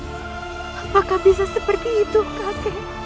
apakah bisa seperti itu kakek